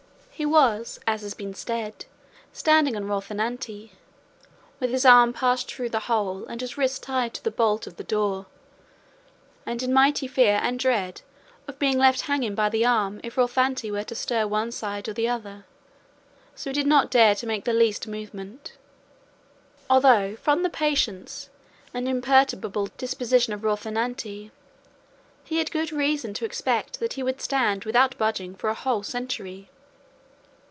He was, as has been said, standing on Rocinante, with his arm passed through the hole and his wrist tied to the bolt of the door, and in mighty fear and dread of being left hanging by the arm if Rocinante were to stir one side or the other; so he did not dare to make the least movement, although from the patience and imperturbable disposition of Rocinante, he had good reason to expect that he would stand without budging for a whole century.